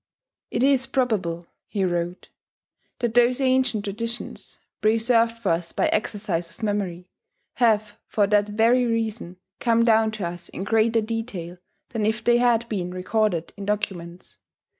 "It is probable," he wrote, "that those ancient traditions, preserved for us by exercise of memory, have for that very reason come down to us in greater detail than if they had been recorded in documents.